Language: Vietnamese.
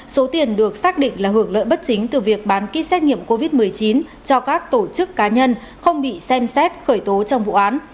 số tiền được xác định là hưởng lợi bất chính từ việc bán ký xét nghiệm covid một mươi chín cho các tổ chức cá nhân không bị xem xét khởi tố trong vụ án